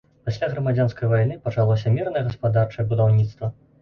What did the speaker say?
Пасля грамадзянскай вайны пачалося мірнае гаспадарчае будаўніцтва.